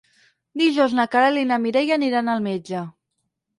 Dijous na Queralt i na Mireia aniran al metge.